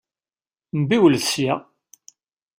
Mbiwlet sya!